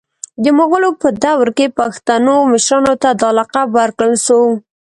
د مغولو په دور کي پښتنو مشرانو ته دا لقب ورکړل سو